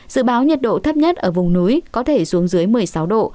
dự báo nhiệt độ thấp nhất ở vùng núi có thể xuống dưới một mươi sáu độ